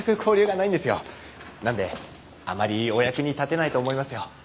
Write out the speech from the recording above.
なのであまりお役に立てないと思いますよ。